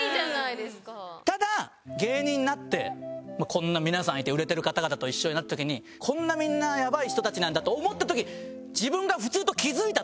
ただ芸人になってこんな皆さんいて売れてる方々と一緒になった時にこんなみんなやばい人たちなんだと思った時。